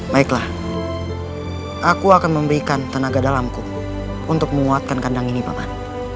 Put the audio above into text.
baiklah aku akan memberikan tenaga dalamku untuk menguatkan kandang ini bapak